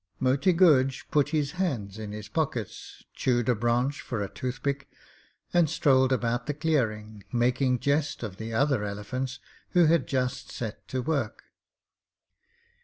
Moti Guj put his hands in his pockets, chewed a branch for a toothpick, and strolled about the clearing, making jest of the other elephants, who had just set to work.